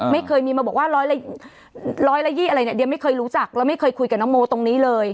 ไม่เคยมีมาบอกว่าร้อยละยี่อะไรเนี่ยเดียไม่เคยรู้จักแล้วไม่เคยคุยกับน้องโมตรงนี้เลย